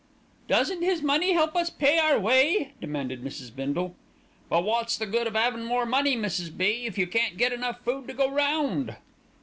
"Doesn't his money help us pay our way?" demanded Mrs. Bindle. "But wot's the good of 'avin' more money, Mrs. B., if you can't get enough food to go round?"